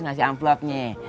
nggak sih amplopnya